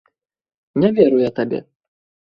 Не веру я табе!